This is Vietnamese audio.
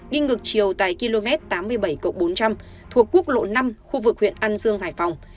đi ngược chiều tại km tám mươi bảy bốn trăm linh thuộc quốc lộ năm khu vực huyện an dương hải phòng